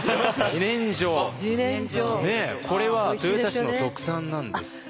自然薯これは豊田市の特産なんですって。